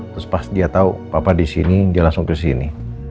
terus pas dia tahu papa di sini dia langsung ke sini